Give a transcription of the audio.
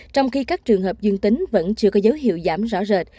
trong khi các trường hợp dương tính vẫn chưa có dấu hiệu giảm rõ rệt